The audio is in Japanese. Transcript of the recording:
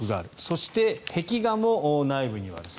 そして壁画も内部にはあります。